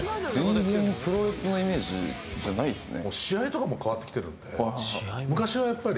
全然プロレスのイメージじゃないですね